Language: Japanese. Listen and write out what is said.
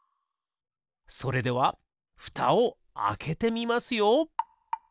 それではふたをあけてみますよ。